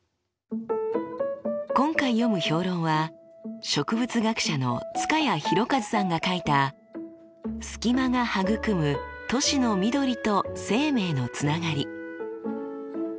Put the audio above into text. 今回読む評論は植物学者の塚谷裕一さんが書いた「スキマがはぐくむ都市の緑と生命のつながり」。